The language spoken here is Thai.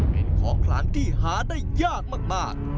เป็นของขลังที่หาได้ยากมาก